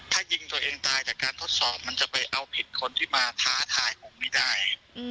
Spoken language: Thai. ถ้ายิงตัวเองตายจากการทดสอบมันจะไปเอาผิดคนที่มาท้าทายผมไม่ได้